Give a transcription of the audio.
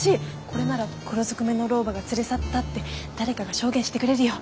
これなら黒ずくめの老婆が連れ去ったって誰かが証言してくれるよ。